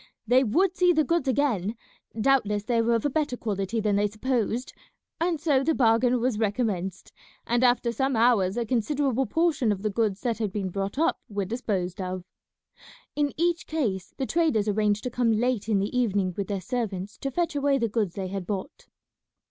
They would see the goods again; doubtless they were of a better quality than they supposed; and so the bargain was recommenced, and after some hours a considerable portion of the goods that had been brought up were disposed of. In each case the traders arranged to come late in the evening with their servants to fetch away the goods they had bought.